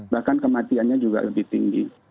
bahkan kematiannya juga lebih tinggi